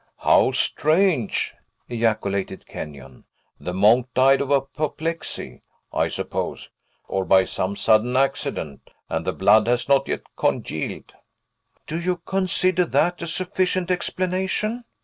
"How strange!" ejaculated Kenyon. "The monk died of apoplexy, I suppose, or by some sudden accident, and the blood has not yet congealed." "Do you consider that a sufficient explanation?"